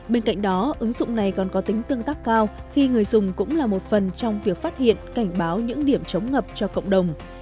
bên cạnh đó ứng dụng này còn có tính tương tác cao khi người dùng cũng là một phần trong việc phát hiện cảnh báo những điểm chống ngập cho cộng đồng